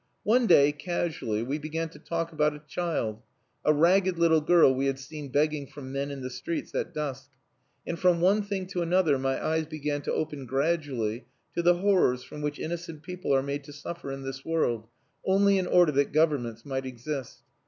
One day, casually, we began to talk about a child, a ragged little girl we had seen begging from men in the streets at dusk; and from one thing to another my eyes began to open gradually to the horrors from which innocent people are made to suffer in this world, only in order that governments might exist.